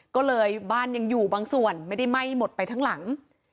ก็เลยบ้านยังอยู่บางส่วนไม่ได้ไหม้หมดไปทั้งหลัง